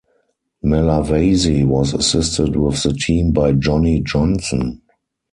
Malavasi was assisted with the team by Johnny Johnson.